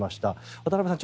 渡辺さん